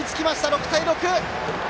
６対６！